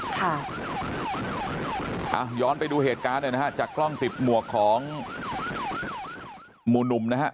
ย้อนไปดูเหตุการณ์หน่อยนะฮะจากกล้องติดหมวกของหมู่หนุ่มนะฮะ